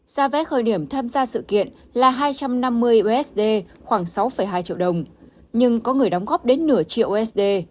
giá vé khởi điểm tham gia sự kiện là hai trăm năm mươi usd khoảng sáu hai triệu đồng nhưng có người đóng góp đến nửa triệu usd